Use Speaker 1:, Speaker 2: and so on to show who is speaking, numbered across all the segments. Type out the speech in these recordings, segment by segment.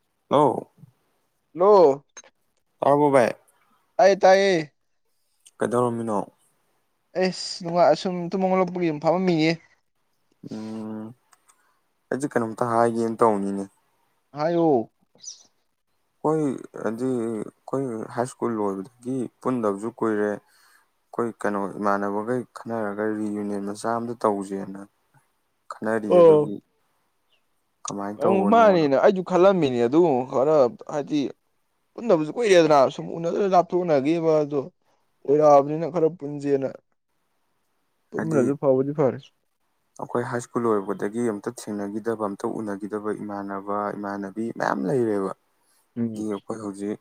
Speaker 1: [unintelligible]
Speaker 2: ꯅꯣ
Speaker 1: ꯇꯥꯔꯕꯣ ꯚꯥꯏ
Speaker 2: ꯇꯥꯌꯦ ꯇꯥꯌꯦ
Speaker 1: ꯀꯩꯗꯧꯔꯝꯃꯤꯅꯣ
Speaker 2: ꯑꯦꯁ ꯅꯨꯡꯉꯥꯏ ꯑꯁꯨꯝ ꯇꯨꯃ ꯍꯧꯒꯠꯂꯛꯄꯒꯤ ꯑꯗꯨꯨꯝ ꯐꯝꯃꯥꯝꯃꯤꯌꯦ
Speaker 1: ꯎꯝ ꯑꯩꯁꯦ ꯀꯩꯅꯣꯝꯇ ꯍꯥꯏꯒꯦꯅ ꯇꯧꯅꯤꯅꯦ
Speaker 2: ꯍꯥꯏꯌꯣ
Speaker 1: ꯍꯣꯏ ꯍꯥꯏꯗꯤ ꯑꯈꯣꯏ ꯍꯥꯏ ꯁ꯭ꯀꯨꯜ ꯂꯣꯏꯕꯗꯒꯤ ꯄꯨꯟꯗꯕꯁꯨ ꯀꯨꯏꯔꯦ ꯑꯈꯣꯏ ꯀꯩꯅꯣ ꯏꯃꯥꯟꯅꯕꯈꯩ ꯈꯟꯅꯔꯒ ꯔꯤꯌꯨꯅꯤꯌꯟ ꯃꯆꯥ ꯑꯃꯝꯇ ꯇꯧꯁꯦꯅ ꯈꯟꯅꯔꯤꯌꯦ ꯑꯗꯨꯒꯤ ꯀꯃꯥꯏꯅ ꯇꯧꯕꯅꯣꯅ
Speaker 2: ꯃꯅꯦꯅ ꯑꯩꯁꯨ ꯈꯜꯂꯝꯃꯤ ꯑꯗꯨꯒꯨꯝ ꯈꯔ ꯍꯥꯏꯗꯤ ꯄꯨꯟꯗꯕꯁꯨ ꯀꯨꯏꯔꯦꯗꯅ ꯁꯨꯝ ꯎꯅꯗꯅ ꯂꯥꯞꯊꯣꯛꯅꯈꯤꯕꯗꯣ ꯀꯨꯏꯔꯛꯑꯕꯥꯅꯤꯅ ꯈꯔ ꯄꯨꯟꯁꯦꯅ
Speaker 1: ꯍꯥꯏꯗꯤ ꯑꯈꯣꯏ ꯍꯥꯏ ꯁ꯭ꯀꯨꯜ ꯂꯣꯏꯔꯛꯄꯗꯒꯤ ꯑꯝꯇ ꯊꯦꯡꯅꯈꯤꯗꯕ ꯑꯝꯇ ꯎꯅꯈꯤ ꯈꯤꯗꯕ ꯏꯃꯥꯟꯅꯕ ꯏꯃꯥꯟꯅꯕꯤ ꯃꯌꯥꯝ ꯂꯩꯔꯦꯕ
Speaker 2: ꯎꯝ
Speaker 1: ꯑꯈꯣꯏ ꯍꯧꯖꯤꯛ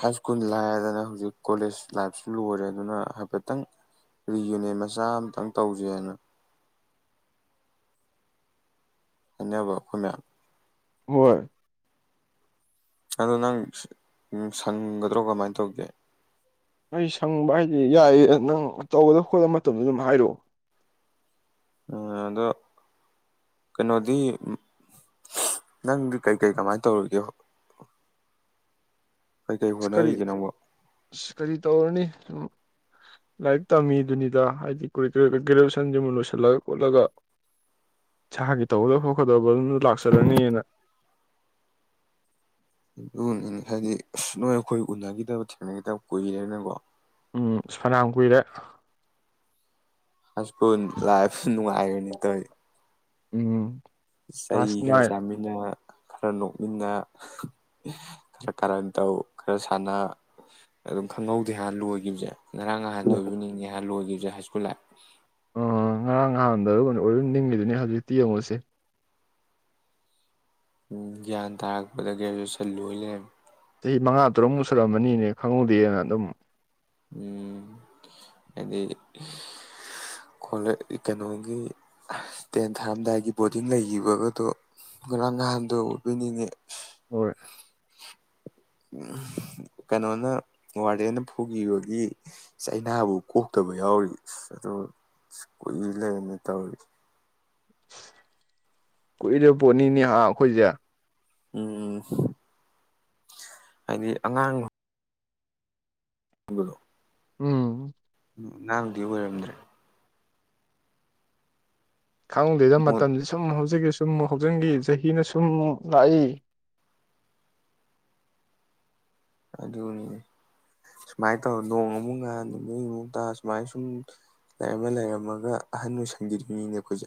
Speaker 1: ꯍꯥꯏ ꯁ꯭ꯀꯨꯜ ꯂꯥꯏꯔꯗꯥꯅꯥ ꯍꯧꯖꯤꯛ ꯀꯣꯂꯦꯖ ꯂꯥꯏꯄꯁꯨ ꯂꯣꯏꯔꯦ ꯑꯗꯨꯅ ꯍꯥꯏꯐꯦꯠꯇꯪ ꯔꯤꯌꯨꯅꯤꯌꯟ ꯃꯆꯥ ꯇꯪ ꯇꯧꯖꯦꯅ ꯍꯥꯏꯅꯕ ꯑꯈꯣꯏ ꯃꯌꯥꯝ
Speaker 2: ꯍꯣꯏ
Speaker 1: ꯑꯗꯣ ꯅꯪ ꯁꯪꯒꯗ꯭ꯔꯣ ꯀꯃꯥꯏ ꯇꯧꯒꯦ
Speaker 2: ꯑꯩ ꯁꯪꯕ ꯍꯥꯏꯖꯦ ꯌꯥꯏꯌꯦ ꯅꯪ ꯇꯧꯒꯗ ꯈꯣꯠꯀꯗ ꯃꯇꯝꯗꯣ ꯑꯗꯨꯝ ꯍꯥꯏꯔꯛꯑꯣ
Speaker 1: ꯑꯗꯣ ꯀꯩꯅꯣꯗꯤ ꯅꯪꯗꯤ ꯀꯩꯀꯩ ꯀꯃꯥꯏꯅ ꯇꯧꯔꯤꯒꯦ ꯀꯩꯀꯩ
Speaker 2: ꯀꯔꯤ
Speaker 1: ꯍꯣꯠꯅꯔꯤꯒꯦ ꯅꯪꯕꯣ
Speaker 2: ꯀꯔꯤ ꯇꯧꯔꯅꯤ ꯂꯥꯏꯔꯤꯛ ꯇꯝꯃꯤꯗꯨꯅꯤꯗ ꯍꯥꯏꯗꯤ ꯒ꯭ꯔꯦꯖꯨꯋꯦꯁꯟꯁꯤ ꯑꯃꯨꯛ ꯂꯣꯏꯁꯤꯜꯂꯒ ꯈꯣꯠꯂꯒ ꯏꯁꯥꯒꯤ ꯇꯧꯒꯗꯕ ꯈꯣꯠꯀꯗꯕ ꯑꯗꯨꯗ ꯂꯥꯛꯆꯔꯅꯤꯅ
Speaker 1: ꯍꯥꯏꯗꯤ ꯑꯁ ꯅꯣꯏ ꯑꯩꯈꯣꯏ ꯎꯅꯈꯤꯗꯕ ꯊꯦꯡꯅꯈꯤꯗꯕ ꯀꯨꯏꯔꯦꯅꯀꯣ
Speaker 2: ꯎꯝ ꯁꯅꯥꯝ ꯀꯨꯏꯔꯦ
Speaker 1: ꯑꯁꯀꯣꯟ ꯂꯥꯏꯐ ꯅꯨꯡꯉꯥꯏꯔꯅꯤ ꯇꯧ
Speaker 2: ꯎꯝ
Speaker 1: ꯆꯍꯤ
Speaker 2: ꯀ꯭ꯂꯥꯁ
Speaker 1: ꯈꯔ
Speaker 2: ꯅꯥꯏꯟ
Speaker 1: ꯆꯥꯃꯤꯅ ꯈꯔ ꯅꯣꯛꯃꯤꯟꯅ ꯈꯔ ꯀꯔꯟ ꯇꯧ ꯈꯔ ꯁꯥꯟꯅ ꯑꯗꯨꯝ ꯈꯪꯍꯧꯗꯦ ꯍꯥꯏꯥꯟꯅ ꯂꯣꯏꯈꯤꯕꯁꯦ ꯉꯔꯥꯡ ꯅꯍꯥꯟꯗ ꯑꯣꯏꯕꯤꯅꯤꯡꯉ ꯍꯥ ꯂꯣꯏꯒ ꯍꯥꯏꯁ꯭ꯀꯨꯂ ꯂꯥꯄ
Speaker 2: ꯑ ꯉꯔꯥꯡ ꯅꯍꯥꯟꯗ ꯑꯗꯨ ꯑꯣꯏꯝ ꯅꯤꯡꯉꯗꯨꯅꯤ ꯍꯧꯖꯤꯛꯇꯤ ꯌꯦꯡꯉꯨꯁꯦ
Speaker 1: ꯎꯝ ꯒ꯭ꯌꯥꯟ ꯇꯥꯔꯛꯄꯗ ꯒ꯭ꯔꯦꯁꯨꯁꯟ ꯂꯣꯏ ꯂꯩꯔꯝꯃꯦ
Speaker 2: ꯑꯩ ꯃꯉꯥ ꯇꯔꯨꯛ ꯃꯨꯁꯜꯛꯑꯃꯅꯤꯅꯦ ꯈꯪꯍꯨꯗꯦꯅ ꯑꯗꯨꯝ
Speaker 1: ꯎꯝ ꯍꯥꯏꯗꯤ ꯀꯩꯅꯣꯒꯤ ꯇꯦꯟ ꯊꯥꯔꯝꯗꯥꯏꯒꯤ ꯕꯣꯔꯗꯤꯡ ꯂꯩꯈꯤꯕꯒꯗꯣ ꯉꯔꯥꯡ ꯅꯍꯥꯟꯗ ꯑꯣꯏꯕꯣꯏꯅꯤꯡꯑ
Speaker 2: ꯍꯣꯏ
Speaker 1: ꯀꯩꯅꯣꯅ ꯋꯥꯔꯗꯦꯟꯅ ꯐꯨꯈꯤꯕꯒꯤ ꯆꯩꯅꯥꯕꯨ ꯀꯣꯛꯇꯕ ꯌꯥꯎꯔꯤ ꯑꯗꯣ ꯀꯨꯏ ꯂꯩꯔꯅ ꯇꯧꯔꯤ
Speaker 2: ꯀꯨꯏꯔꯤꯕ ꯄꯣꯠꯅꯤꯅꯦ ꯑꯩꯈꯣꯏꯁꯦ
Speaker 1: ꯎꯝ ꯎꯝ ꯍꯥꯏꯗꯤ ꯑꯉꯥꯡ ꯎꯣꯡꯒꯗꯣ
Speaker 2: ꯎꯝ
Speaker 1: ꯎꯝ ꯅꯥꯡꯗꯤ ꯑꯣꯏꯔꯝꯗ꯭ꯔꯦ
Speaker 2: ꯈꯪꯗꯦꯗ
Speaker 1: ꯃꯣꯠ
Speaker 2: ꯃꯇꯝꯁ ꯁꯨꯝ ꯍꯧꯖꯟꯒꯤ ꯁꯨꯝ ꯁꯨꯝ ꯍꯧꯖꯤꯪꯒꯤ ꯆꯍꯤꯅ ꯁꯨꯝ ꯂꯥꯛꯏ
Speaker 1: ꯑꯗꯨꯅꯤ ꯁꯨꯃꯥꯏꯅ ꯇꯧꯔ ꯅꯣꯡ ꯑꯃꯨꯛ ꯉ ꯅꯨꯅꯤꯃꯨꯛꯇꯥ ꯁꯨꯃꯥꯏ ꯁꯨꯝ ꯂꯩꯔꯝꯃ ꯂꯩꯔꯝꯃꯒ ꯑꯍꯟ ꯑꯣꯏ ꯁꯪꯕꯤꯔꯤꯉꯤꯅꯦ ꯑꯩꯈꯣꯏꯁꯦ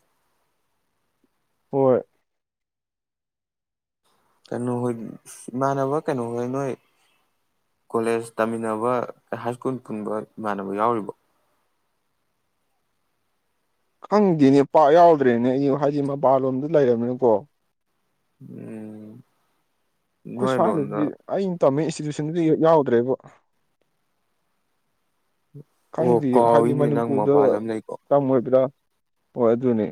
Speaker 2: ꯍꯣꯏ
Speaker 1: ꯀꯩꯅꯣ ꯍꯣꯏ ꯏꯃꯥꯟꯅꯕ ꯀꯩꯅꯣ ꯍꯣꯏ ꯅꯣꯏ ꯀꯣꯂꯦꯖ ꯇꯝꯃꯤꯟꯅꯕ ꯍꯥꯏ ꯁ꯭ꯀꯨꯜ ꯄꯨꯟꯕ ꯏꯃꯥꯟꯅꯕ ꯌꯥꯎꯔꯤꯕ
Speaker 2: ꯈꯪꯗꯦꯅꯦ ꯄꯥꯛ ꯌꯥꯎꯗ꯭ꯔꯦꯅꯦ ꯑꯩꯁꯨ ꯍꯥꯏꯗꯤ ꯃꯄꯥꯟꯂꯣꯝꯗ ꯂꯩꯔꯕꯃꯤꯅꯀꯣ
Speaker 1: ꯎꯝ ꯅꯣꯏ ꯑꯗꯣꯝꯗ
Speaker 2: ꯈꯨꯁꯗꯗꯤ ꯑ ꯇꯝꯃꯦ ꯏꯟꯁꯇꯤꯇ꯭ꯌꯨꯁꯟꯗꯨꯗꯤ ꯌꯥꯎꯗ꯭ꯔꯦꯕ
Speaker 1: ꯑꯣ
Speaker 2: ꯈꯪꯗꯦ ꯍꯥꯏꯗꯤ
Speaker 1: ꯀꯥꯎꯏꯅꯦ ꯅꯪ
Speaker 2: ꯃꯅꯤꯄꯨꯔꯗ
Speaker 1: ꯃꯄꯥꯟ ꯂꯝ ꯂꯩꯀꯣ
Speaker 2: ꯇꯝꯃꯣꯏꯕ꯭ꯔꯥ ꯍꯣꯏ ꯑꯗꯨꯅꯦ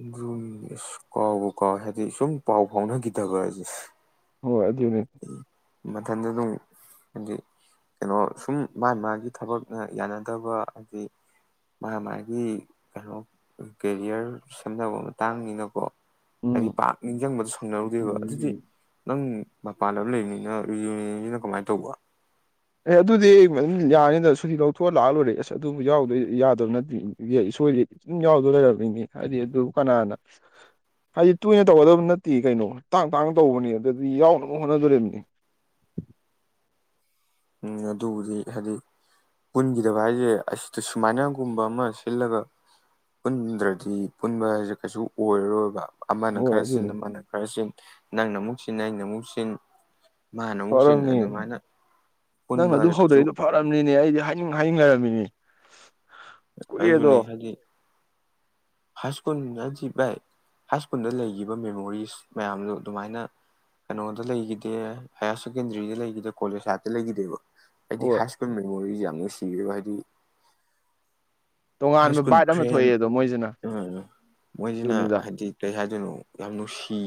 Speaker 1: ꯑꯗꯨ ꯑꯁ ꯀꯥꯎꯕ ꯀꯥꯎ ꯍꯥꯏꯗꯤ ꯁꯨꯝ ꯄꯥꯎ ꯐꯥꯎꯅꯈꯤꯗꯕꯁꯦ
Speaker 2: ꯍꯣꯏ ꯗꯨꯅꯤ
Speaker 1: ꯃꯊꯟꯗ ꯑꯗꯨꯝ ꯍꯥꯏꯗꯤ ꯀꯩꯅꯣ ꯁꯨꯝ ꯃꯥꯒꯤ ꯃꯥꯒꯤ ꯊꯕꯛꯅ ꯌꯥꯅꯗꯕ ꯍꯥꯏꯗꯤ ꯃꯥ ꯃꯥꯒꯤ ꯀꯩꯅꯣ ꯀꯦꯔꯤꯌꯔ ꯁꯦꯝꯅꯕ ꯃꯇꯥꯡꯅꯤꯅꯀꯣ
Speaker 2: ꯎꯝ
Speaker 1: ꯏꯩ ꯄꯥꯛ ꯅꯤꯡꯁꯤꯡꯕꯗꯣ ꯁꯪꯅꯔꯨꯗꯦꯕ ꯑꯗꯨꯗꯤ
Speaker 2: ꯑꯦ
Speaker 1: ꯅꯪ ꯃꯄꯥꯟꯗ ꯑꯃ ꯂꯩꯕꯅꯤꯅ [unintelligible] ꯀꯃꯥꯏꯅ ꯇꯧꯕ
Speaker 2: ꯑꯦ ꯑꯗꯨꯗꯤ ꯑꯗꯨꯝ ꯌꯥꯅꯤꯗ ꯁꯨꯇꯤ ꯂꯧꯊꯣꯛꯑ ꯂꯥꯛꯑ ꯂꯣꯏꯔꯦ ꯑꯁ ꯑꯗꯨꯕꯨ ꯌꯥꯎꯗꯣꯏ ꯌꯥꯗꯕ ꯅꯠꯇꯦ ꯏꯁꯣꯏꯗꯤ ꯁꯨꯝ ꯌꯥꯎꯗꯣꯏ ꯂꯩꯔꯕꯅꯤꯅꯦ ꯍꯥꯏꯗꯤ ꯑꯗꯨ ꯀꯅꯥꯅ ꯍꯥꯏꯗꯤ ꯇꯣꯏꯅ ꯇꯧꯒꯗꯕ ꯅꯠꯇꯦ ꯀꯩꯅꯣ ꯇꯥꯡ ꯇꯥꯡꯅ ꯇꯧꯕꯅꯤ ꯑꯗꯨꯗꯤ ꯌꯥꯎꯅꯕ ꯍꯣꯠꯅꯗꯣꯔꯤꯕꯅꯤ
Speaker 1: ꯎꯝ ꯑꯗꯨꯕꯨꯗꯤ ꯍꯥꯏꯗꯤ ꯄꯨꯟꯈꯤꯗꯕ ꯍꯥꯏꯁꯦ ꯑꯁꯤ ꯁꯨꯃꯥꯏꯅꯒꯨꯝꯕ ꯑꯃ ꯁꯤꯜꯂꯒ ꯄꯨꯟꯗ꯭ꯔꯗꯤ ꯄꯨꯟꯕ ꯍꯥꯏꯁꯦ ꯀꯩꯁꯨ ꯑꯣꯏꯔꯔꯣꯏꯕ ꯑꯃꯅ
Speaker 2: ꯍꯣꯏ
Speaker 1: ꯈꯔ ꯆꯤꯟ
Speaker 2: ꯑꯗꯨꯅꯤ
Speaker 1: ꯑꯃꯅ ꯈꯔ ꯁꯤꯟ ꯅꯪꯅ ꯑꯃꯨꯛ ꯁꯤꯟ ꯑꯩꯅ ꯑꯃꯨꯛ ꯁꯤꯟ ꯃꯥꯅ ꯑꯃꯨꯛ ꯆꯤꯟ ꯑꯗꯨꯃꯥꯏꯅ
Speaker 2: ꯅꯪ
Speaker 1: ꯄꯨꯟꯕ
Speaker 2: ꯑꯗꯨ
Speaker 1: ꯍꯥꯏꯁꯦ ꯀꯩꯁꯨ
Speaker 2: ꯍꯧꯗꯣꯛꯏꯗꯣ ꯐꯥꯔꯝꯅꯤ ꯅꯦ ꯑꯩꯗꯤ ꯍꯥꯏꯅꯤꯡ ꯍꯥꯏꯅꯤꯡ ꯉꯔꯝꯃꯤꯅꯤ
Speaker 1: ꯑꯩꯁꯨꯅꯦ ꯍꯥꯏꯗꯤ ꯍꯥꯏ ꯁ꯭ꯀꯨꯜ ꯍꯥꯏꯗꯤ ꯚꯥꯏ ꯍꯥꯏ ꯁ꯭ꯀꯨꯜꯗ ꯂꯩꯈꯤꯕ ꯃꯦꯃꯣꯔꯤꯁ ꯃꯌꯥꯝꯗꯣ ꯑꯗꯨꯃꯥꯏꯅ ꯀꯩꯅꯣꯗ ꯂꯩꯈꯤꯗꯦ ꯍꯥꯌꯌꯔ ꯁꯦꯀꯦꯟꯗꯔꯤꯗ ꯂꯩꯈꯤꯗꯦ ꯀꯣꯂꯦꯖ ꯂꯥꯞꯏꯗꯇ ꯂꯩꯈꯤꯗꯦꯕ ꯑꯩꯗꯤ
Speaker 2: ꯍꯣꯏ
Speaker 1: ꯍꯥꯏ ꯁ꯭ꯀꯨꯜ ꯃꯦꯃꯣꯔꯤꯁ ꯌꯥꯝ [unintelligible] ꯍꯥꯏ
Speaker 2: ꯇꯣꯉꯥꯟꯕ
Speaker 1: ꯁ꯭ꯀꯨꯜ
Speaker 2: ꯕꯥꯏꯠ ꯑꯃ
Speaker 1: ꯐ꯭ꯔꯦꯟ
Speaker 2: ꯊꯣꯛꯑꯦ ꯑꯗꯣ ꯃꯣꯏꯁꯤꯅ
Speaker 1: ꯃꯣꯏꯁꯤꯅ
Speaker 2: ꯑꯗꯨꯅꯤꯗ
Speaker 1: ꯍꯥꯏꯗꯤ ꯀꯔꯤ ꯍꯥꯏꯗꯣꯏꯅꯣ ꯌꯥꯝ ꯅꯨꯡꯁꯤ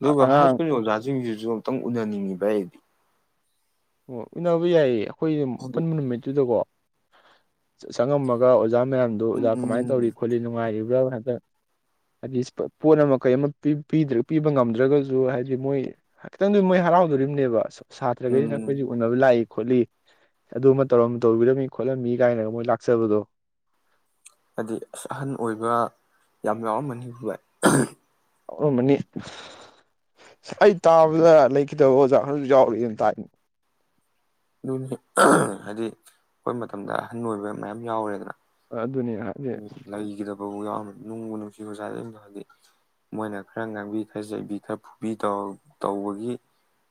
Speaker 1: ꯑꯗꯨꯒ ꯍꯥꯏ
Speaker 2: ꯑꯉꯥꯡ
Speaker 1: ꯁ꯭ꯀꯨꯜꯒꯤ ꯑꯣꯖꯥꯁꯤꯡꯁꯤꯁꯨ ꯑꯃꯨꯛꯇꯪ ꯎꯅꯅꯤꯡꯉꯤ ꯚꯥꯏ ꯑꯩꯗꯤ
Speaker 2: ꯑꯣ ꯎꯅꯕ ꯌꯥꯏꯌꯦ ꯑꯩꯈꯣꯏ
Speaker 1: ꯍꯥꯏꯗꯤ
Speaker 2: ꯄꯨꯟꯕ ꯅꯨꯃꯤꯠꯇꯨꯗꯀꯣ ꯆꯪꯉꯝꯃꯒ ꯑꯣꯖꯥ ꯃꯌꯥꯝꯗꯣ ꯑꯣꯖꯥ ꯀꯃꯥꯏꯅ
Speaker 1: ꯎꯝ
Speaker 2: ꯇꯧꯔꯤ ꯈꯣꯠꯂꯤ ꯅꯨꯡꯉꯥꯏꯔꯤꯕ꯭ꯔꯥ ꯑꯗ ꯍꯥꯏꯗꯤ ꯄꯣꯠ ꯑꯃ ꯀꯩ ꯑꯃ ꯄꯤꯕ ꯉꯝꯗ꯭ꯔꯒꯁꯨ ꯍꯥꯏꯗꯤ ꯃꯣꯏ ꯈꯤꯇꯪꯗꯤ ꯃꯣꯏ ꯍꯔꯥꯎꯗꯣꯔꯤꯕꯅꯦꯕ ꯑ ꯁꯥꯇ꯭ꯔꯒꯩꯅ
Speaker 1: ꯎꯝ
Speaker 2: ꯑꯩꯈꯣꯏ ꯎꯅꯕ ꯂꯥꯛꯏ ꯈꯣꯠꯂꯤ ꯑꯗꯨꯃ ꯇꯧꯔꯝ ꯇꯧꯕꯤꯔꯝꯃꯤ ꯈꯣꯠꯂꯝꯃꯤ ꯀꯥꯏꯅꯒ ꯃꯣꯏ ꯂꯥꯛꯆꯕꯗꯣ
Speaker 1: ꯍꯥꯏꯗꯤ ꯑꯁ ꯑꯍꯟ ꯑꯣꯏꯕ ꯌꯥꯝ ꯌꯥꯎꯔꯝꯃꯅꯤ
Speaker 2: ꯌꯥꯎꯔꯝꯃꯅꯤ ꯑꯩ ꯇꯥꯕꯗ ꯂꯩꯈꯤꯗꯕ ꯑꯣꯖ ꯑꯍꯜꯁꯨ ꯌꯥꯎꯔꯛꯑꯦꯅ ꯇꯥꯏ
Speaker 1: ꯑꯗꯨꯅꯤ ꯍꯥꯏꯗꯤ ꯑꯩꯈꯣꯏ ꯃꯇꯝꯗ ꯑꯍꯟ ꯑꯣꯏꯕ ꯃꯌꯥꯝ ꯌꯥꯎꯔꯦꯗꯅ
Speaker 2: ꯑꯗꯨꯅꯤ ꯍꯥꯏꯗꯤ
Speaker 1: ꯎ ꯅꯨꯡꯕꯨ ꯅꯨꯡꯁꯤ ꯑꯣꯖꯥꯗꯗꯣ ꯍꯥꯏꯗꯤ ꯃꯣꯏꯅ ꯈꯔ ꯉꯥꯡꯕꯤ ꯈꯔ ꯆꯩꯕꯤ ꯈꯔ ꯐꯨꯕꯤ ꯇꯧꯕꯒꯤ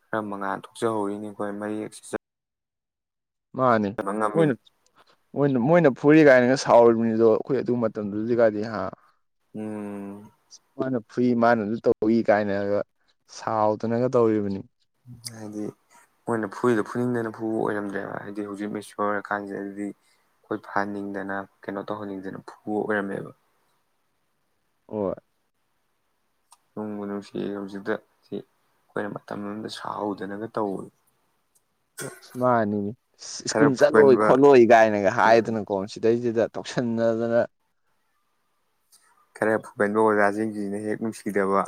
Speaker 1: ꯈꯔ ꯃꯉꯥꯜ ꯊꯣꯛꯆꯍꯧꯔꯤꯅꯤ ꯑꯩꯈꯣꯏ ꯃꯌꯦꯛ
Speaker 2: ꯃꯥꯅꯤ
Speaker 1: ꯆꯕ
Speaker 2: ꯃꯣꯏꯅ
Speaker 1: ꯉꯝꯃꯤꯅꯤ
Speaker 2: ꯃꯣꯏꯅ ꯃꯣꯏꯅ ꯐꯨꯔꯤ ꯀꯥꯏꯅꯒ ꯁꯥꯎꯔꯤꯕꯅꯤꯗꯣ ꯑꯩꯈꯣꯏ ꯑꯗꯨ ꯃꯇꯝꯗꯨꯗꯤꯒꯗꯤ ꯍꯥ
Speaker 1: ꯎꯝ
Speaker 2: ꯃꯥꯅ ꯐꯨꯏ ꯃꯥꯅꯁꯨ ꯇꯧꯏ ꯀꯥꯏꯅꯒ ꯁꯥꯎꯗꯅꯒ ꯇꯧꯔꯤꯕꯅꯤ
Speaker 1: ꯍꯥꯏꯗꯤ ꯃꯣꯏꯅ ꯐꯨꯔꯤꯗꯣ ꯐꯨꯅꯤꯡꯗꯅ ꯐꯨꯕ ꯑꯣꯏꯔꯝꯗ꯭ꯔꯦꯕ ꯍꯥꯏꯗꯤ ꯍꯧꯖꯤꯛ ꯃꯦꯆꯤꯌꯣꯔ ꯑꯣꯏꯔꯀꯥꯟꯁꯤꯗꯗꯤ ꯑꯩꯈꯣꯏ ꯐꯍꯟꯅꯤꯡꯗꯅ ꯀꯩꯅꯣ ꯇꯧꯍꯟꯅꯤꯡꯗꯅ ꯐꯨꯕ ꯑꯣꯏꯔꯝꯃꯦꯕ
Speaker 2: ꯍꯣꯏ
Speaker 1: ꯅꯣꯡꯕꯨ ꯅꯨꯡꯁꯤ ꯍꯧꯖꯤꯛꯇ ꯁꯤ ꯑꯩꯈꯣꯏꯅ ꯃꯇꯝ ꯑꯃꯗ ꯁꯥꯎꯗꯅꯒ ꯇꯎꯕꯗꯣ
Speaker 2: ꯁ ꯃꯥꯅꯤꯡꯅꯤ ꯁ꯭ꯀꯨꯜ ꯆꯠꯂꯣꯏ
Speaker 1: ꯐꯨꯒꯟꯕ
Speaker 2: ꯈꯣꯠꯂꯣꯏ ꯀꯥꯏꯅꯒ
Speaker 1: ꯎꯝ
Speaker 2: ꯍꯥꯏꯗꯅꯀꯣ ꯁꯤꯗꯩꯁꯤꯗ ꯇꯧꯁꯤꯟꯅꯗꯅ
Speaker 1: ꯈꯔ ꯐꯧꯒꯟꯕ ꯑꯣꯖꯥꯁꯤꯡꯁꯤꯅ ꯍꯦꯛ ꯅꯨꯡꯁꯤꯗꯕ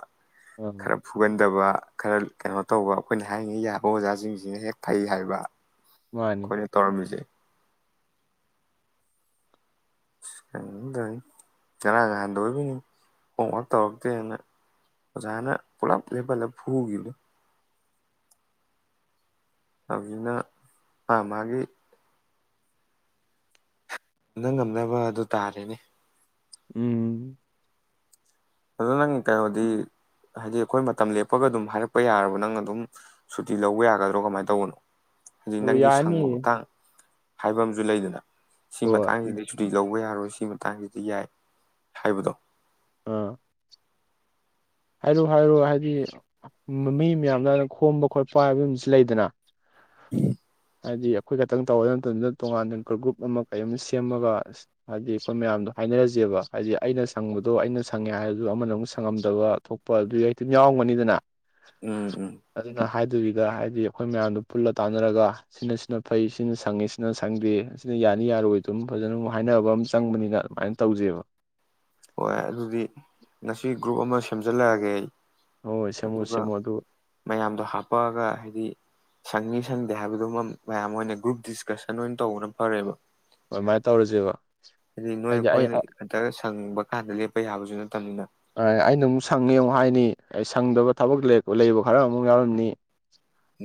Speaker 2: ꯑꯥ
Speaker 1: ꯈꯔ ꯐꯨꯒꯟꯗꯕ ꯈꯔ ꯀꯩꯅꯣ ꯇꯧꯕ ꯑꯩꯈꯣꯏꯅ ꯍꯥꯏꯔꯤꯉꯩ ꯌꯥꯕ ꯑꯣꯖꯥꯁꯤꯡꯁꯤꯅ ꯍꯦꯛ ꯐꯩ ꯍꯥꯏꯕ
Speaker 2: ꯃꯥꯅꯤ
Speaker 1: ꯑꯩꯈꯣꯏꯅ ꯇꯧꯔꯃꯤꯖꯦ ꯀꯩꯅꯣ ꯇꯧꯅꯤ ꯆꯔꯥ ꯉꯍꯥꯟꯗ ꯑꯣꯏꯔꯕꯣꯏ ꯅꯤꯡꯢ ꯍꯣꯝꯋꯥꯛ ꯇꯧꯔꯛꯇꯦꯅ ꯑꯣꯖꯥꯅ ꯄꯨꯂꯞ ꯂꯦꯞꯍꯜꯂ ꯐꯨꯒꯤꯕꯗꯣ ꯍꯧꯖꯤꯛꯅ ꯃꯥ ꯃꯥꯒꯤ ꯅꯪ ꯉꯝꯅꯕ ꯑꯗꯨ ꯇꯥꯔꯦꯅꯦ
Speaker 2: ꯎꯝ
Speaker 1: ꯑꯗꯨꯗ ꯅꯪ ꯀꯩꯅꯣꯗꯤ ꯍꯥꯏꯗꯤ ꯑꯩꯈꯣꯏ ꯃꯇꯝ ꯂꯦꯞꯄꯒ ꯑꯗꯨꯝ ꯍꯥꯏꯔꯛꯄ ꯌꯥꯔꯕ ꯅꯪ ꯑꯗꯨꯝ ꯁꯨꯇꯤ ꯂꯧꯕ ꯌꯥꯒꯗ꯭ꯔꯣ ꯀꯃꯥꯏꯅ ꯇꯧꯕꯅꯣ ꯍꯧꯖꯤꯛ
Speaker 2: ꯑꯣ
Speaker 1: ꯅꯪꯒꯤ
Speaker 2: ꯌꯥꯅꯤ
Speaker 1: ꯁꯪꯕ ꯃꯇꯥꯡ ꯍꯥꯏꯕ ꯑꯃꯁꯨ ꯂꯩꯗꯅ ꯁꯤ
Speaker 2: ꯍꯣꯏ
Speaker 1: ꯃꯇꯥꯡꯁꯤꯗꯩ ꯁꯨꯇꯤ ꯂꯧ ꯍꯧꯕ ꯌꯥꯔꯣꯏ ꯁꯤ ꯃꯇꯥꯡꯁꯤꯗꯤ ꯌꯥꯏ ꯍꯥꯏꯕꯗꯣ
Speaker 2: ꯑꯥ ꯍꯥꯏꯔꯣ ꯍꯥꯏꯔꯣ ꯍꯥꯏꯗꯤ ꯃꯤ ꯃꯌꯥꯝꯅ ꯈꯣꯝꯕ ꯈꯣꯠꯄ ꯍꯥꯏꯕ ꯑꯃꯁꯨ ꯂꯩꯗꯅ
Speaker 1: [inaudible]
Speaker 2: ꯍꯥꯏꯗꯤ ꯑꯩꯈꯣꯏ ꯈꯛꯇꯪ ꯇꯧ ꯒꯗꯕ ꯅꯠꯇꯕꯅꯤꯅ ꯇꯣꯉꯥꯟꯅ ꯒ꯭ꯔꯨꯞ ꯑꯃ ꯀꯔꯤꯝ ꯁꯦꯝꯃꯒ ꯍꯥꯏꯗꯤ ꯑꯩꯈꯣꯏ ꯃꯌꯥꯝꯗꯣ ꯍꯥꯏꯅꯔꯁꯦꯕ ꯍꯥꯏꯗꯤ ꯑꯩꯅ ꯁꯪꯕꯗꯣ ꯑꯩꯅ ꯁꯪꯉꯦ ꯍꯥꯏꯔꯁꯨ ꯑꯃꯅ ꯑꯃꯨꯛ ꯁꯪꯉꯝꯗꯕ ꯊꯣꯛꯄ ꯑꯗꯨ ꯍꯦꯛꯇ ꯌꯥꯎꯔꯝꯒꯅꯤꯗꯅ
Speaker 1: ꯎꯝ ꯎꯝ
Speaker 2: ꯑꯗꯨꯅ ꯍꯥꯏꯗꯔꯤ ꯁꯤꯗ ꯍꯥꯏꯗꯤ ꯑꯩꯈꯣꯏ ꯃꯌꯥꯝꯗꯨ ꯄꯨꯜꯂ ꯇꯥꯟꯅꯔꯒ ꯁꯤꯅ ꯁꯤꯅ ꯐꯩ ꯁꯤꯅ ꯁꯪꯉꯤ ꯁꯤꯅ ꯁꯪꯗꯦ ꯑꯁꯤꯅ ꯌꯥꯅꯤ ꯌꯥꯔꯣꯏ ꯑꯗꯨꯝ ꯐꯖꯅ ꯍꯥꯏꯅꯕ ꯑꯃ ꯆꯪꯕꯅꯤꯅ ꯑꯗꯨꯃꯥꯏꯅ ꯇꯧꯖꯦꯕ
Speaker 1: ꯍꯣꯏ ꯑꯗꯨꯗꯤ ꯉꯁꯤ ꯒ꯭ꯔꯨꯞ ꯑꯃ ꯁꯦꯝꯖꯤꯜꯂꯛ ꯑꯒꯦ ꯑꯩ
Speaker 2: ꯍꯣꯏ ꯍꯣꯏ ꯁꯦꯝꯃꯣ
Speaker 1: ꯑꯗꯨꯒ
Speaker 2: ꯁꯦꯝꯃꯣ ꯑꯗꯨ
Speaker 1: ꯃꯌꯥꯝꯗꯣ ꯍꯥꯞꯄꯛ ꯑꯒ ꯍꯥꯏꯗꯤ ꯁꯪꯉꯤ ꯁꯪꯗꯦ ꯍꯥꯏꯕꯗꯨ ꯃꯌꯥꯝ ꯑꯣꯏꯅ ꯒ꯭ꯔꯨꯞ ꯗꯤꯁꯀꯁꯟ ꯑꯣꯏꯅ ꯇꯧꯕꯅ ꯐꯔꯦꯕ
Speaker 2: ꯑꯗꯨꯃꯥꯏꯅ ꯇꯧꯔꯁꯦꯕ
Speaker 1: ꯑꯗꯨꯗꯤ ꯅꯣꯏ
Speaker 2: ꯍꯥꯏꯗꯤ ꯑꯩ
Speaker 1: ꯑꯩꯈꯣꯏꯅ ꯍꯛꯇ ꯁꯪꯕ ꯀꯥꯟꯗ ꯂꯦꯞꯄ ꯌꯥꯕꯁꯨ ꯅꯠꯇꯕꯅꯤꯅ
Speaker 2: ꯑꯩꯅ ꯑꯃꯨꯛ ꯁꯪꯉꯦ ꯑꯃꯨꯛ ꯍꯥꯏꯅꯤ ꯑꯩ ꯁꯪꯗꯕ ꯊꯕꯛ ꯂꯩꯕ ꯈꯔ ꯑꯃꯨꯛ ꯌꯥꯎꯔꯝꯅꯤ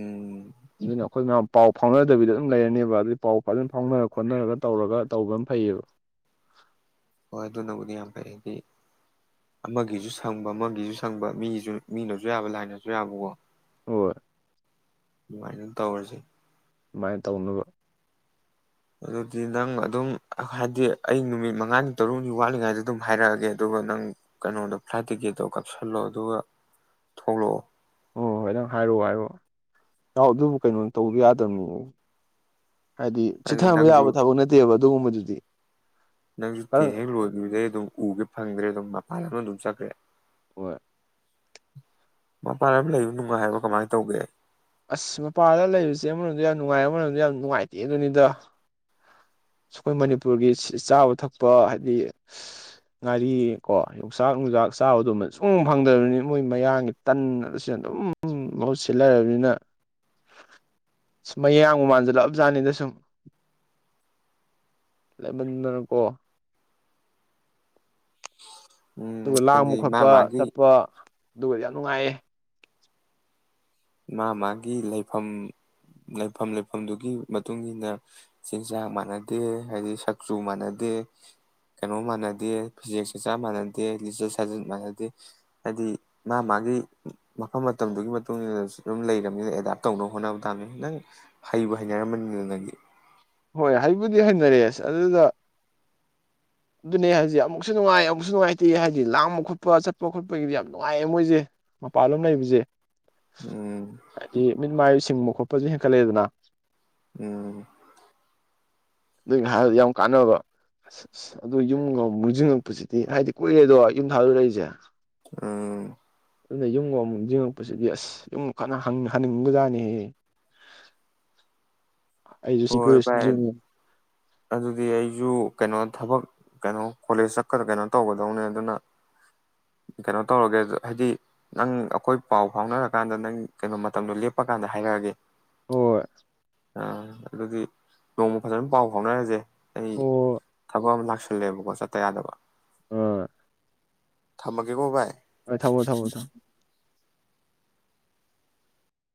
Speaker 1: ꯎꯝ
Speaker 2: ꯑꯗꯨꯅ ꯑꯩꯈꯣꯏ ꯃꯌꯥꯝ ꯄꯥꯎ ꯐꯥꯎꯅꯗꯕꯤꯗ ꯑꯗꯨꯝ ꯂꯩꯔꯅꯦꯕ ꯑꯗꯨꯗꯤ ꯄꯥꯎ ꯐꯖꯅ ꯐꯥꯎꯅꯔ ꯈꯣꯠꯅꯔꯒ ꯇꯧꯔꯒ ꯇꯧꯕ ꯑꯃ ꯐꯩꯌꯦꯕ
Speaker 1: ꯍꯣꯏ ꯑꯗꯨꯅꯕꯨꯗꯤ ꯌꯥꯝ ꯐꯩ ꯍꯥꯏꯗꯤ ꯑꯃꯒꯤꯁꯨ ꯁꯪꯕ ꯑꯃꯒꯤꯁꯨ ꯁꯪꯕ ꯃꯤꯁꯨ ꯃꯤꯅꯁꯨ ꯌꯥꯕ ꯂꯥꯏꯅꯁꯨ ꯌꯥꯕꯀꯣ
Speaker 2: ꯍꯣꯏ
Speaker 1: ꯑꯗꯨꯃꯥꯏꯅ ꯇꯧꯔꯁꯤ
Speaker 2: ꯁꯨꯃꯥꯏꯅ ꯇꯧꯅꯕ
Speaker 1: ꯑꯗꯨꯗꯤ ꯅꯪ ꯑꯗꯨꯝ ꯍꯥꯏꯗꯤ ꯑꯩ ꯅꯨꯃꯤꯠ ꯃꯉꯥꯅꯤ ꯇꯔꯨꯛꯅꯤ ꯋꯥꯠꯂꯤꯉꯥꯏꯗ ꯑꯗꯨꯝ ꯍꯥꯏꯔꯛ ꯑꯒꯦ ꯑꯗꯨꯒ ꯅꯪ ꯀꯩꯅꯣꯗꯣ ꯐ꯭ꯂꯥꯏꯠ ꯇꯤꯛꯀꯦꯠꯇꯣ ꯀꯥꯛꯁꯜꯂꯣ ꯑꯗꯨꯒ ꯊꯣꯛꯂꯛꯑꯣ
Speaker 2: ꯑꯣ ꯍꯣꯏ ꯅꯪ ꯍꯥꯏꯔꯛꯑꯣ ꯍꯥꯏꯔꯛꯑꯣ ꯌꯥꯎ ꯑꯗꯨꯕꯨ ꯀꯩꯅꯣ ꯇꯧ ꯌꯥꯗꯕꯅꯤ ꯍꯥꯏꯗꯤ
Speaker 1: ꯑꯗꯨꯗꯤ
Speaker 2: ꯆꯤꯊꯕ
Speaker 1: ꯅꯪꯁꯨ
Speaker 2: ꯌꯥꯕ ꯊꯕꯛ ꯅꯠꯇꯦꯕ ꯑꯗꯨꯒꯨꯝꯕꯗꯨꯗꯤ
Speaker 1: ꯅꯪꯁꯨ ꯇꯦꯟ ꯍꯦꯛ
Speaker 2: ꯍꯣꯏ
Speaker 1: ꯂꯣꯒꯤꯕꯗꯩ ꯑꯗꯨꯝ ꯎꯒꯦ ꯐꯪꯗ꯭ꯔꯦ ꯑꯗꯨꯝ ꯃꯥꯗꯤ ꯂꯣꯟ ꯂꯣꯟ ꯆꯠꯈꯔꯦ
Speaker 2: ꯍꯣꯏ
Speaker 1: ꯃꯄꯥꯟꯂꯝ ꯂꯩꯕ ꯅꯨꯡꯉꯥꯏꯕ꯭ꯔꯣ ꯀꯃꯥꯏꯅ ꯇꯧꯒꯦ
Speaker 2: ꯑꯁ ꯃꯄꯥꯜꯗ ꯂꯩꯕꯁꯦ ꯑꯃꯣꯗ ꯌꯥꯝ ꯅꯨꯡꯉꯥꯏ ꯑꯃ ꯃꯔꯣꯝꯗꯣ ꯌꯥꯝ ꯅꯨꯡꯉꯥꯏꯇꯦ ꯑꯗꯨꯅꯤꯗ ꯑꯩꯈꯣꯏ ꯃꯅꯤꯄꯨꯔꯒꯤ ꯆꯥꯕ ꯊꯛꯄ ꯍꯥꯏꯗꯤ ꯉꯥꯔꯤ ꯀꯣ ꯌꯣꯡꯆꯥꯛ ꯅꯨꯡꯆꯥꯛ ꯆꯥꯕꯗꯃ ꯁꯨꯝ ꯐꯪꯗ꯭ꯔꯕꯅꯤꯅ ꯃꯣꯏ ꯃꯌꯥꯡꯒꯤ ꯇꯟꯅ ꯑꯗꯨꯁꯨ ꯑꯗꯨꯝ ꯃꯍꯨꯠ ꯁꯤꯜ ꯂꯩꯔꯕꯅꯤꯅ ꯃꯌꯥꯡꯒ ꯃꯥꯟꯁꯤꯜꯂꯞꯖꯥꯠꯅꯤꯗ ꯁꯨꯝ ꯭ꯂꯩꯃꯟꯗꯅ ꯀꯣ
Speaker 1: ꯎꯝ
Speaker 2: ꯑꯗꯨꯒ ꯂꯥꯡꯕ
Speaker 1: ꯍꯥꯏꯗꯤ ꯃꯥ
Speaker 2: ꯈꯣꯠꯄ
Speaker 1: ꯃꯥꯒꯤ
Speaker 2: ꯆꯠꯄ ꯑꯗꯨꯒꯗꯤ ꯌꯥꯝ ꯅꯨꯡꯉꯥꯏꯌꯦ
Speaker 1: ꯃꯥ ꯃꯥꯒꯤ ꯂꯩꯐꯝ ꯂꯩꯐꯝ ꯂꯩꯐꯝꯗꯨꯒꯤ ꯏ ꯃꯇꯨꯡꯏꯟꯅ ꯆꯤꯟꯖꯥꯛ ꯃꯥꯟꯅꯗꯦ ꯍꯥꯏꯗꯤ ꯆꯛꯆꯨ ꯃꯥꯟꯅꯗꯦ ꯀꯩꯅꯣ ꯃꯥꯟꯅꯗꯦ ꯐꯤꯖꯦꯛ ꯆꯆꯥ ꯃꯥꯟꯅꯗꯦ ꯂꯤꯆꯠ ꯁꯥꯖꯠ ꯃꯥꯟꯅꯗꯦ ꯍꯥꯏꯗꯤ ꯃꯥ ꯃꯥꯒꯤ ꯃꯐꯝ ꯃꯇꯝꯗꯨꯒꯤ ꯃꯇꯨꯡ ꯏꯟꯅ ꯑꯗꯨꯝ ꯂꯩꯔꯕꯅꯤꯅ ꯑꯦꯗꯥꯞ ꯇꯧꯅꯕ ꯍꯣꯠꯅꯕ ꯇꯥꯅꯤ ꯈꯤ ꯅꯪ ꯍꯩꯕ ꯍꯩꯅꯔꯝꯕꯅꯤꯗ ꯅꯪꯗꯤ
Speaker 2: ꯍꯣꯏ ꯍꯥꯏꯕꯨꯗꯤ ꯍꯩꯅꯔꯦ ꯑꯁ ꯑꯗꯨꯗ ꯑꯗꯨꯅꯦ ꯍꯥꯏꯁꯦ ꯑꯃꯨꯛꯁꯨ ꯅꯨꯡꯉꯥꯏ ꯑꯃꯨꯛꯁꯨ ꯅꯨꯡꯉꯥꯏꯇꯦ ꯍꯥꯏꯗꯤ ꯂꯥꯡꯕ ꯈꯣꯠꯄ ꯆꯠꯄ ꯈꯣꯠꯄꯒꯤꯗꯤ ꯌꯥꯝ ꯅꯨꯡꯉꯥꯏꯌꯦ ꯃꯣꯏꯁꯦ ꯃꯄꯥꯟꯂꯣꯝ ꯂꯩꯕꯁꯦ
Speaker 1: ꯎꯝ
Speaker 2: ꯍꯥꯏꯗꯤ ꯃꯤꯠꯃꯥꯏꯁꯤꯡꯕ ꯈꯣꯠꯄ ꯄꯖꯦ ꯍꯦꯡꯥꯟꯀꯠꯂꯦꯗꯅ
Speaker 1: ꯎꯝ
Speaker 2: ꯑꯗꯨꯩꯅ ꯍꯥꯏꯕꯗ ꯌꯥꯝ ꯀꯥꯟꯅꯕ ꯑꯁ ꯑꯁ ꯑꯗꯨ ꯌꯨꯝꯒ ꯃꯨꯁꯤꯁꯤꯡꯉꯛꯄꯁꯤꯗꯤ ꯍꯥꯏꯗꯤ ꯀꯨꯏꯔꯦꯗꯣ ꯌꯨꯝ ꯊꯥꯗꯨꯔꯛꯏꯁꯦ
Speaker 1: ꯎꯝ
Speaker 2: ꯑꯗꯨꯅ ꯌꯨꯝ ꯑꯃꯃꯨꯛ ꯌꯦꯡꯉꯛꯄꯁꯤꯗꯤ ꯑꯁ ꯌꯨꯝ ꯀꯅ ꯍꯟꯅꯤꯡꯒꯖꯥꯅꯤꯍ ꯑꯩꯁꯨ
Speaker 1: ꯍꯣꯏ
Speaker 2: ꯁꯤꯀꯟꯁꯟ ꯁꯦ
Speaker 1: ꯚꯥꯏ
Speaker 2: ꯃꯨꯛ
Speaker 1: ꯑꯗꯨꯗꯤ ꯑꯩꯁꯨ ꯀꯩꯅꯣ ꯊꯕꯛ ꯀꯩꯅꯣ ꯀꯣꯂꯦꯖ ꯆꯠꯀꯗ ꯀꯩꯅꯣ ꯇꯧꯒꯗꯧꯅꯦ ꯑꯗꯨꯅ ꯀꯩꯅꯣ ꯇꯧꯔꯒꯦ ꯍꯥꯏꯗꯤ ꯅꯪ ꯑꯩꯈꯣꯏ ꯄꯥꯎ ꯐꯥꯎꯅꯔꯀꯥꯟꯗ ꯅꯪ ꯀꯩꯅꯣ ꯃꯇꯝꯗꯣ ꯂꯦꯞꯄꯀꯥꯟꯗ ꯍꯥꯏꯔꯛꯑꯒꯦ
Speaker 2: ꯍꯣꯏ
Speaker 1: ꯑꯥ ꯑꯗꯨꯒꯤ ꯅꯣꯡꯃ ꯐꯖꯅ ꯄꯥꯎ ꯐꯥꯎꯅꯔꯁꯦ ꯑꯩ
Speaker 2: ꯍꯣꯏ
Speaker 1: ꯊꯕꯛ ꯑꯃ ꯂꯥꯛꯆ ꯈꯜꯂꯦꯕꯀꯣ ꯆꯠꯇ ꯌꯥꯗꯕ
Speaker 2: ꯑꯥ
Speaker 1: ꯊꯝꯃꯒꯦꯀꯣ ꯚꯥꯏ
Speaker 2: ꯊꯕꯣ ꯊꯕꯣ ꯊ